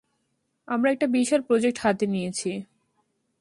আমরা একটা বিশাল প্রজেক্ট হাতে নিয়েছি।